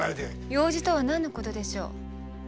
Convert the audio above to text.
用事とは何のことでしょう？